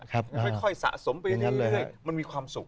ค่อยสะสมไปเรื่อยมันมีความสุข